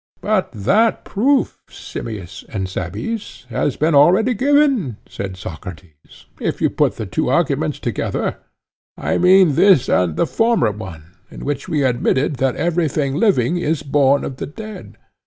But that proof, Simmias and Cebes, has been already given, said Socrates, if you put the two arguments together—I mean this and the former one, in which we admitted that everything living is born of the dead.